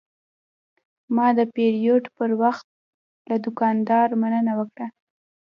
ما د پیرود پر وخت له دوکاندار مننه وکړه.